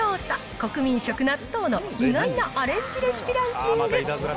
国民食、納豆の意外なアレンジレシピランキング。